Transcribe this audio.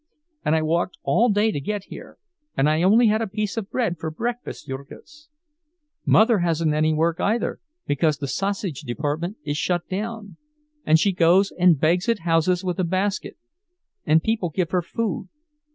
And I walked all day to get here—and I only had a piece of bread for breakfast, Jurgis. Mother hasn't any work either, because the sausage department is shut down; and she goes and begs at houses with a basket, and people give her food.